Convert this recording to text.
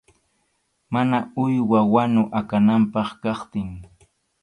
Mana uywa wanu akananpaq kaptin.